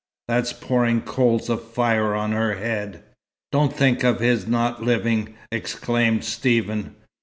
That's pouring coals of fire on her head!" "Don't think of his not living!" exclaimed Stephen.